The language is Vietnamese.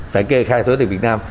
phải kê khai thuế từ việt nam